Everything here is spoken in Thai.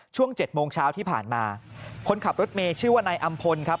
ช่วง๗โมงเช้าที่ผ่านมาคนขับรถเมย์ชื่อว่านายอำพลครับ